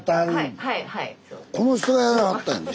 この人がやらはったんやで。